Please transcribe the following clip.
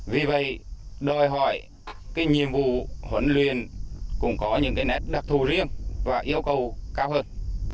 vì vậy đòi hỏi cái nhiệm vụ huấn luyện cũng có những cái nét đặc thù riêng và yêu cầu cao hơn